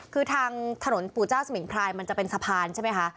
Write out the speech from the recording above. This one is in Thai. คือทางถนนปู่เจ้าสมิงพรายมันจะเป็นสะพานใช่ไหมคะ